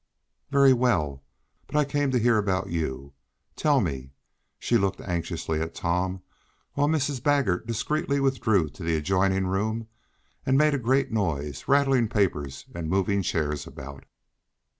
"Very well. But I came to hear about you. Tell me," and she looked anxiously at Tom, while Mrs. Baggert discreetly withdrew to the adjoining room, and made a great noise, rattling papers and moving chairs about.